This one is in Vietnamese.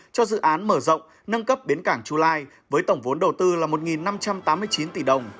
cho dự án mở rộng nâng cấp bến cảng chu lai với tổng vốn đầu tư là một năm trăm tám mươi chín tỷ đồng